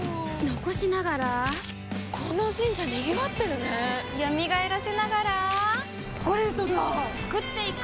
残しながらこの神社賑わってるね蘇らせながらコレドだ創っていく！